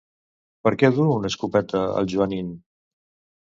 Per què du una escopeta el Joanín?